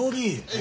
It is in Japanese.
え？